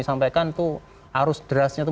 sampaikan itu arus derasnya itu